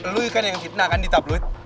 lo kan yang fitnah kan di tabloid